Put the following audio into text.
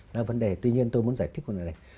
nó là vấn đề tuy nhiên tôi muốn giải thích vấn đề này